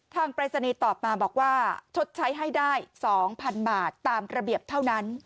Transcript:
ปรายศนีย์ตอบมาบอกว่าชดใช้ให้ได้๒๐๐๐บาทตามระเบียบเท่านั้น